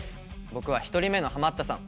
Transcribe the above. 僕は１人目のハマったさん